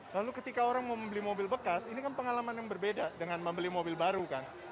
lalu ketika orang mau membeli mobil bekas ini kan pengalaman yang berbeda dengan membeli mobil baru kan